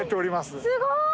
すごい。